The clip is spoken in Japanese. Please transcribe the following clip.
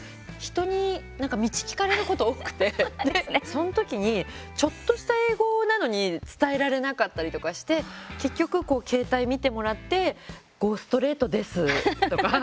その時にちょっとした英語なのに伝えられなかったりとかして結局、携帯、見てもらってゴーストレートです、とか。